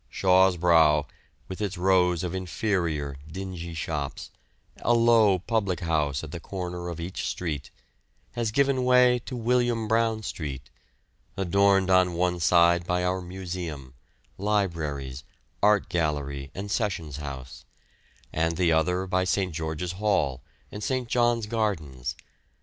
Shaw's Brow, with its rows of inferior, dingy shops, a low public house at the corner of each street, has given way to William Brown Street, adorned on one side by our Museum, Libraries, Art Gallery, and Sessions House, and the other by St. George's Hall and St. John's Gardens.